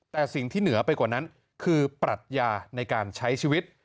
แต่สิ่งที่เหนือไปกว่านั้นคือปรัชญาในการใช้ชีวิต